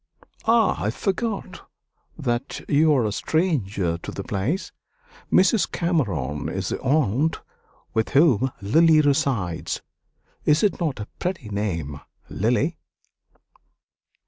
"Ah! I forgot that you are a stranger to the place. Mrs. Cameron is the aunt with whom Lily resides. Is it not a pretty name, Lily?"